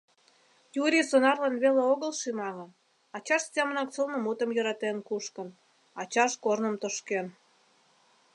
Юрий сонарлан веле огыл шӱмаҥын, ачаж семынак сылнымутым йӧратен кушкын, ачаж корным тошкен.